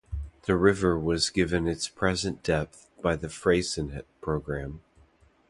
The river was given its present depth by the Freycinet programme.